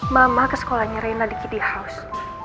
mama ke sekolahnya rina di kitty house